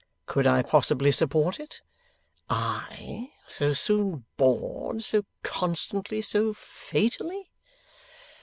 Could I possibly support it? I, so soon bored, so constantly, so fatally?